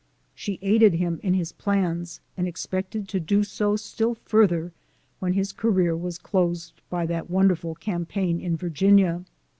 She aided him in his plans, and expected to do so still further, when his career was closed by that wonderful campaign in Virginia.